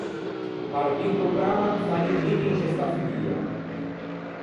Pe arvî o programma, fanni clic in sce sta figua.